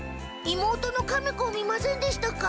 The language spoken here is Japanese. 妹のカメ子を見ませんでしたか？